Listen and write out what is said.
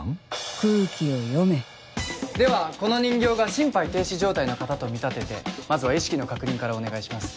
空気を読めではこの人形が心肺停止状態の方と見立ててまずは意識の確認からお願いします。